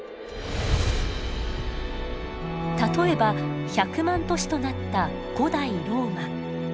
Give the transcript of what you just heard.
例えば１００万都市となった古代ローマ。